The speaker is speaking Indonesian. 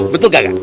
betul gak kak